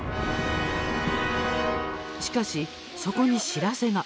しかし、そこに知らせが。